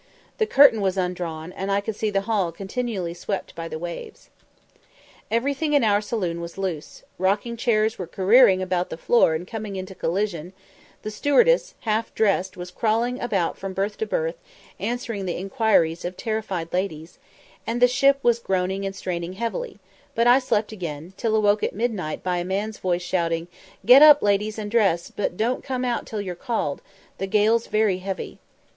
The curtain was undrawn, and I could see the hall continually swept by the waves. Everything in our saloon was loose; rocking chairs were careering about the floor and coming into collision; the stewardess, half dressed, was crawling about from berth to berth, answering the inquiries of terrified ladies, and the ship was groaning and straining heavily; but I slept again, till awoke at midnight by a man's voice shouting "Get up, ladies, and dress, but don't come out till you're called; the gale's very heavy."